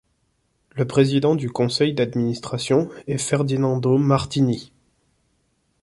Le président du Conseil d'administration est Ferdinando Martini.